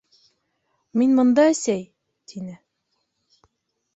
— Мин бында, әсәй, — тине.